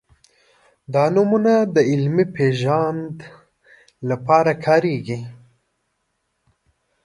دا نومونه د علمي پېژند لپاره کارېږي.